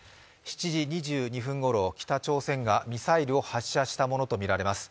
７時２２分ごろ、北朝鮮がミサイルを発射したものとみられます。